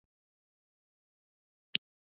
ځمکه د ژوند لپاره یوازینی سیاره ده